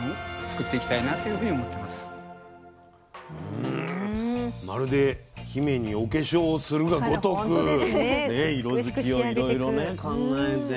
うんまるで姫にお化粧をするがごとく色づきをいろいろ考えて。